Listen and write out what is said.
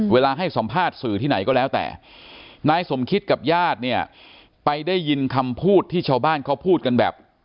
เวลาให้สัมภาษณ์สื่อที่ไหนก็แล้วแต่นายสมคิตกับญาติเนี่ยไปได้ยินคำพูดที่ชาวบ้านเขาพูดกันแบบ